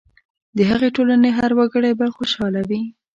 د هغې ټولنې هر وګړی به خوشاله وي.